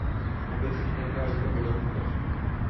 Obec obtéká řeka Berounka.